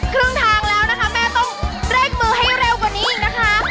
ครึ่งทางแล้วนะคะแม่ต้องเร่งมือให้เร็วกว่านี้อีกนะคะ